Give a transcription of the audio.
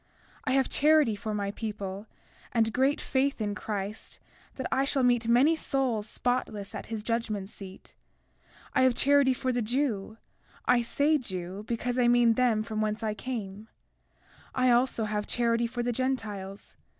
33:7 I have charity for my people, and great faith in Christ that I shall meet many souls spotless at his judgment seat. 33:8 I have charity for the Jew—I say Jew, because I mean them from whence I came. 33:9 I also have charity for the Gentiles.